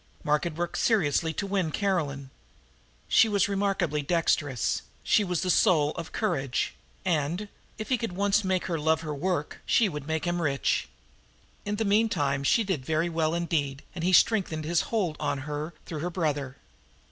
Mark had worked seriously to win Caroline. She was remarkably dexterous; she was the soul of courage; and, if he could once make her love her work, she would make him rich. In the meantime she did very well indeed, and he strengthened his hold on her through her brother.